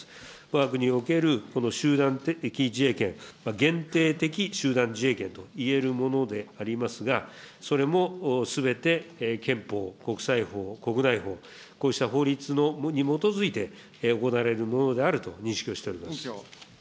わが国におけるこの集団的自衛権、限定的集団的自衛権と言えるものでありますが、それもすべて憲法、国際法、国内法、こうした法律に基づいて、行われるものであると認識をしております。